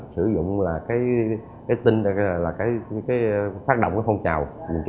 sử dụng phát động phong trào